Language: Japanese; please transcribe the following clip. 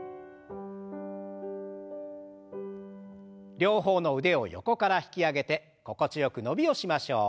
両方の腕を横から引き上げて心地よく伸びをしましょう。